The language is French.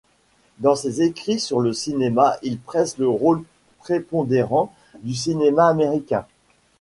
Dans ses écrits sur le cinéma, il pressent le rôle prépondérant du cinéma américain.